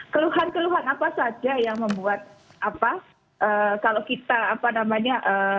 keluhan keluhan apa saja yang membuat apa kalau kita apa namanya